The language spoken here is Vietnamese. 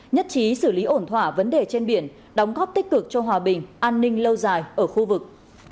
nhất trí xử lý ổn thỏa vấn đề trên biển đóng góp tích cực cho hòa bình an ninh lâu dài ở khu vực